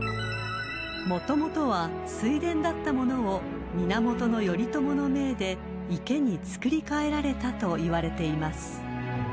［もともとは水田だったものを源頼朝の命で池に造り替えられたといわれています］